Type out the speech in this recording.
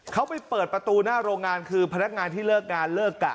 เขาไปเปิดประตูหน้าโรงงานคือพนักงานที่เลิกงานเลิกกะ